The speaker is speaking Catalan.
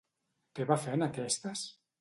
Què va fer en aquestes?